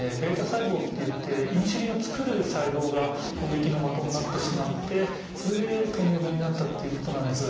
β細胞っていってインスリンを作る細胞が攻撃の的になってしまってそれで糖尿病になったということなんです。